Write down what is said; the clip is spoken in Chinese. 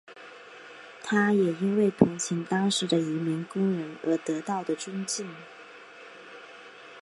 他也因为同情当时的移民工人而得到的尊敬。